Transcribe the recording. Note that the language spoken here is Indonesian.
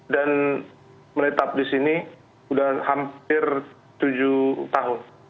dan menetap di sini udah hampir tujuh tahun